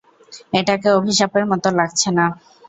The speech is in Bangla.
এটাকে অভিশাপের মতো লাগছে না।